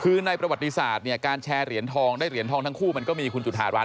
คือในประวัติศาสตร์เนี่ยการแชร์เหรียญทองได้เหรียญทองทั้งคู่มันก็มีคุณจุธารัฐ